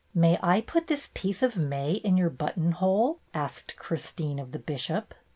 "May I put this piece of May in your but tonhole?" asked Christine of the Bishop.